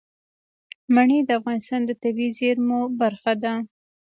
منی د افغانستان د طبیعي زیرمو برخه ده.